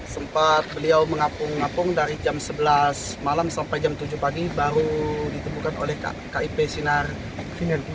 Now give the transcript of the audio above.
sempat beliau mengapung apung dari jam sebelas malam sampai jam tujuh pagi baru ditemukan oleh kip sinar finer